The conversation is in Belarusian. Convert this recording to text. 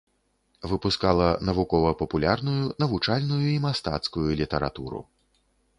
Выпускала навукова-папулярную, навучальную і мастацкую літаратуру.